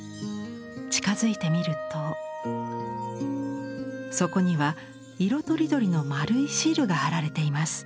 近づいてみるとそこには色とりどりの丸いシールが貼られています。